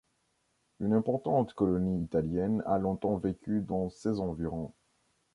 Une importante colonie italienne a longtemps vécu dans ses environs.